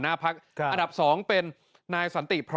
อันนี้จะต้องจับเบอร์เพื่อที่จะแข่งกันแล้วคุณละครับ